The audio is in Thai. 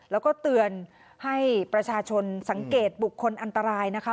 แล้วก็เตือนให้ประชาชนสังเกตบุคคลอันตรายนะคะ